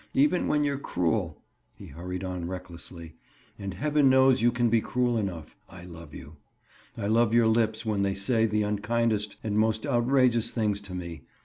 Even when you're cruel," he hurried on recklessly, "and heaven knows you can be cruel enough, I love you. I love your lips when they say the unkindest and most outrageous things to me.